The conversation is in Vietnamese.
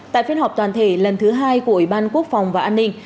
tại phiên họp toàn thể lần thứ hai của ủy ban quốc phòng và an ninh